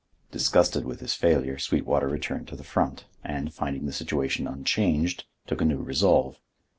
Disgusted with his failure, Sweetwater returned to the front, and, finding the situation unchanged, took a new resolve.